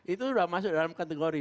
itu sudah masuk dalam kategori